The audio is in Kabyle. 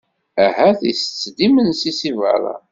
Ahat itett-d imensi si berra.